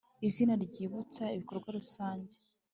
Izina ryibutsa ibikorwa rusange.